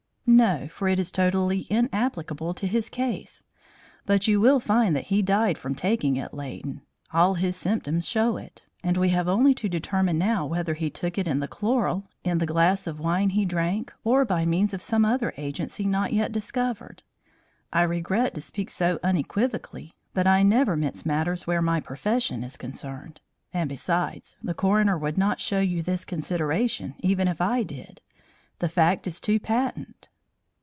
"No, for it is totally inapplicable to his case. But you will find that he died from taking it, Leighton; all his symptoms show it, and we have only to determine now whether he took it in the chloral, in the glass of wine he drank, or by means of some other agency not yet discovered. I regret to speak so unequivocally, but I never mince matters where my profession is concerned. And, besides, the coroner would not show you this consideration even if I did. The fact is too patent."